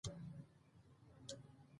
زه د حلال رزق ارزښت پېژنم.